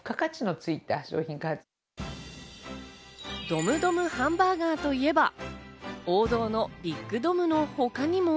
ドムドムハンバーガーといえば、王道のビッグドムの他にも。